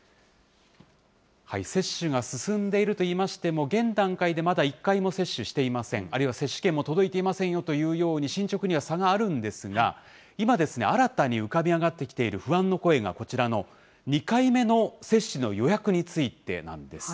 接種が進んでいるといいましても、現段階で、まだ一回も接種していません、あるいは接種券も届いていませんよというように、進捗には差があるんですが、今ですね、新たに浮かび上がってきている不安の声がこちらの２回目の接種の予約についてなんです。